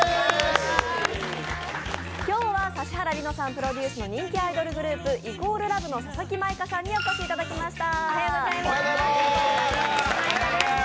今日は指原莉乃プロデュースの人気アイドルグループ＝ＬＯＶＥの佐々木舞香さんにお越しいただきました。